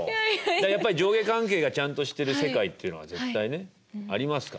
やっぱり上下関係がちゃんとしてる世界っていうのは絶対ねありますからね。